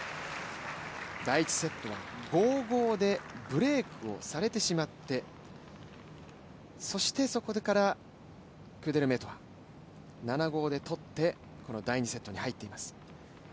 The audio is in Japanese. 第１セットは５−５でブレークされてしまって、そしてそこからクデルメトワ、７−５で取って、この第２セットに入っています。